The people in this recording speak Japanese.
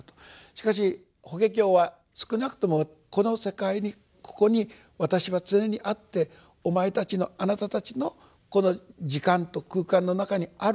しかし法華経は少なくともこの世界にここに私は常にあって「おまえたちの貴方たちのこの時間と空間の中にあるよ。